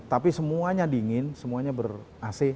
tapi semuanya dingin semuanya ber ac